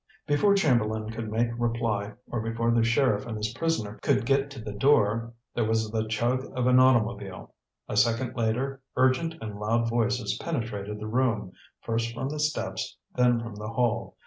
Before Chamberlain could make reply, or before the sheriff and his prisoner could get to the door, there was the chug of an automobile. A second later urgent and loud voices penetrated the room, first from the steps, then from the hall.